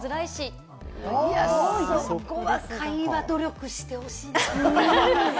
そこは会話努力してほしいな。